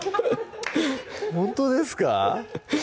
ほんとですか？